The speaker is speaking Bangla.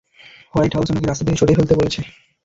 হোয়াইট হাউস উনাকে রাস্তা থেকে সরিয়ে ফেলতে বলেছে।